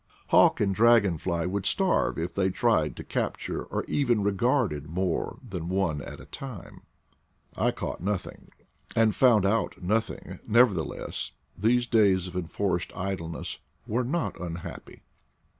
Hawk and 20 IDLE DAYS IN PATAGONIA dragon fly would starve if they tried to capture, or even regarded, more than one at a time. I caught nothing, and found out nothing; never theless, these days of enforced idleness were not unhappy.